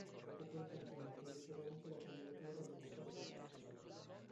Dopo quel campionato riceve anche la candidatura agli Oscar del Calcio.